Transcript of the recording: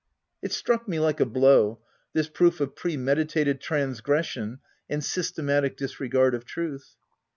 '' It struck me like a blow, this proof of pre meditated transgression and systematic disregard of truth.